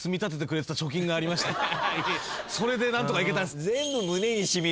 それで何とか行けたんす。